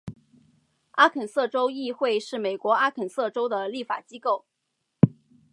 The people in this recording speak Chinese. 阿肯色州议会是美国阿肯色州的立法机构。